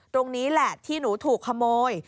ตรงนี้แหละที่หนูถูกขโมย